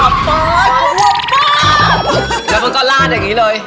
แล้วมันก็ลาดอย่างนี้เลย